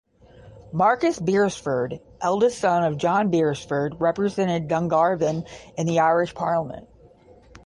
Marcus Beresford, eldest son of John Beresford, represented Dungarvan in the Irish Parliament.